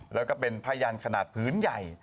แล้วก็เป็นผ้ายันขนาดพื้นใหญ่